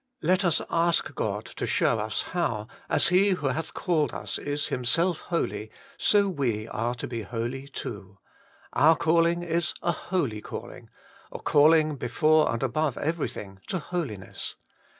Let us ask God to show us how, as He who hath called us is Himself holy, so we are to be holy too ; our calling is a holy calling, a calling before and above every thing, to Holiness.